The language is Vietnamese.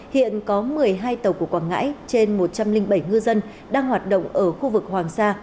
hiện có một mươi hai tàu của quảng ngãi trên một trăm linh bảy ngư dân đang hoạt động ở khu vực hoàng sa